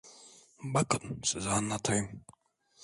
Bakın size anlatayım…